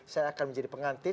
saya akan menjadi pengantin